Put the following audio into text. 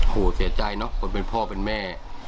โหเสียใจเนอะคนเป็นพ่อเป็นแม่